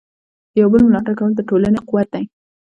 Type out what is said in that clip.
د یو بل ملاتړ کول د ټولنې قوت دی.